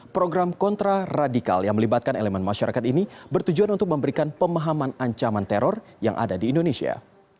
program kontraradikal yang melibatkan elemen masyarakat ini bertujuan untuk memberikan pemahaman ancaman teror yang ada di indonesia